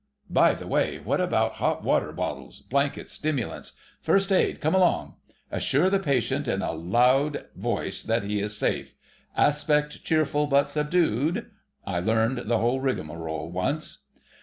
By the way, what about hot water bottles—blankets—stimulants.... First aid: come along! 'Assure the patient in a loud voice that he is safe.' ... 'Aspect cheerful but subdued.' ... I learned the whole rigmarole once!"